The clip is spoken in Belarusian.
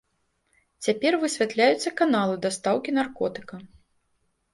Цяпер высвятляюцца каналы дастаўкі наркотыка.